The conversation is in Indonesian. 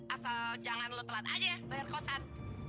asal jangan lo telat aja bayar kosan